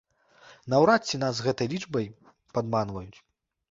Наўрад ці нас з гэтай лічбай падманваюць.